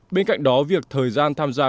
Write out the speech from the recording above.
bên cạnh đó việc thời gian tham gia